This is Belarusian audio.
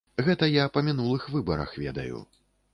Гэта я па мінулых выбарах ведаю.